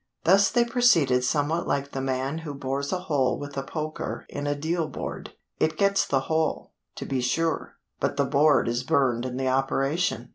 Thus they proceeded somewhat like the man who bores a hole with a poker in a deal board; he gets the hole, to be sure, but the board is burned in the operation."